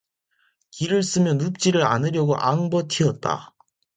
기를 쓰며 눕지를 않으려고 앙버티었다.